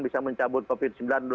bisa mencabut covid sembilan belas